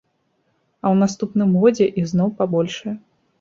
А ў наступным годзе іх зноў пабольшае.